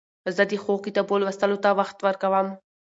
زه د ښو کتابو لوستلو ته وخت ورکوم.